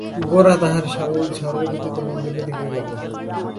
গোরা তাহার স্বাভাবিক ঝড়ের গতিতে মন্দিরের দিকেই গেল।